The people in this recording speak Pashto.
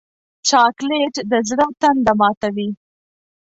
چاکلېټ د زړه تنده ماتوي.